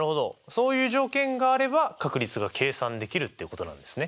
そういう条件があれば確率が計算できるっていうことなんですね。